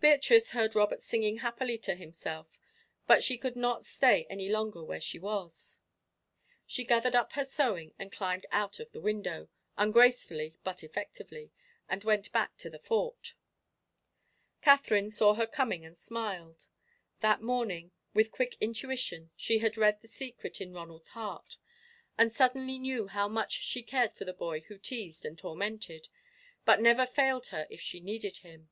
Beatrice heard Robert singing happily to himself, but she could not stay any longer where she was. She gathered up her sewing and climbed out of the window, ungracefully but effectively, and went back to the Fort. Katherine saw her coming and smiled. That morning, with quick intuition, she had read the secret in Ronald's heart, and suddenly knew how much she cared for the boy who teased and tormented, but never failed her if she needed him.